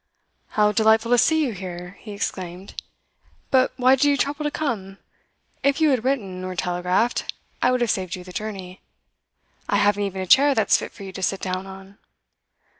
'How delightful to see you here!' he exclaimed. 'But why did you trouble to come? If you had written, or telegraphed, I would have saved you the journey. I haven't even a chair that's fit for you to sit down on.